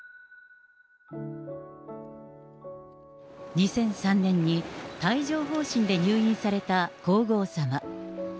２００３年に帯状疱疹で入院された皇后さま。